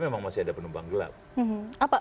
memang masih ada penumpang gelap apa